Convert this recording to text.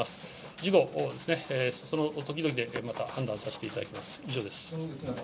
事後、その時々でまた判断させていただきます。